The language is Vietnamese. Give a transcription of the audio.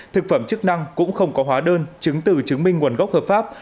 thực phẩm chức năng cũng không có hóa đơn chứng từ chứng minh nguồn gốc hợp pháp